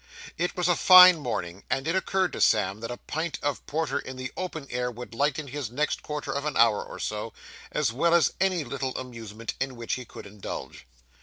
It was a fine morning, and it occurred to Sam that a pint of porter in the open air would lighten his next quarter of an hour or so, as well as any little amusement in which he could indulge.